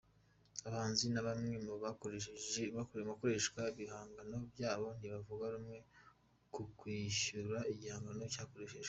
Abahanzi na bamwe mu bakoreshwa ibihangano byabo ntibavuga rumwe ku kwishyura igihangano cyakoreshejwe.